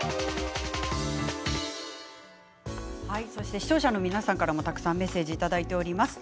視聴者の皆さんからもたくさんメッセージをいただいています。